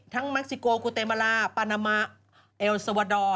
ทั้งเม็กซิโกกูเตเมลาปานามะเอลซาวาดอร์